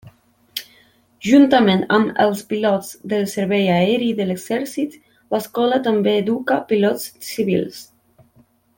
Juntament amb els pilots del servei aeri de l'exèrcit, l'escola també educa pilots civils.